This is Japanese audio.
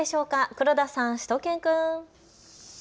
黒田さん、しゅと犬くん。